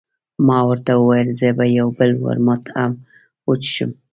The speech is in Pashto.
ما ورته وویل، زه به یو بل ورموت هم وڅښم.